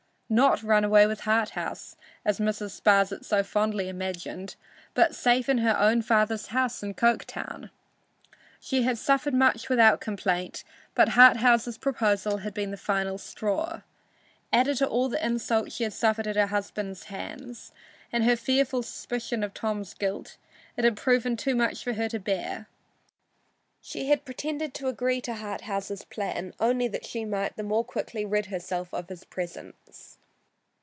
Not run away with Harthouse, as Mrs. Sparsit so fondly imagined, but safe in her own father's house in Coketown. She had suffered much without complaint, but Harthouse's proposal had been the last straw. Added to all the insults she had suffered at her husband's hands, and her fearful suspicion of Tom's guilt, it had proven too much for her to bear. She had pretended to agree to Harthouse's plan only that she might the more quickly rid herself of his presence.